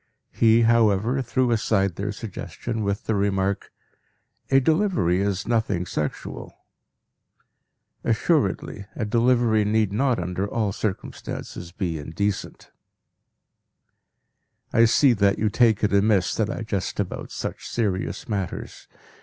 He, however, threw aside their suggestion with the remark, "a delivery is nothing sexual." Assuredly, a delivery need not under all circumstances be indecent. I see that you take it amiss that I jest about such serious matters.